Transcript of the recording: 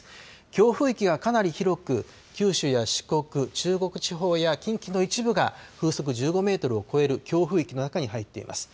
強風域がかなり広く九州や四国、中国地方や近畿の一部が風速１５メートルを超える強風域の中に入っています。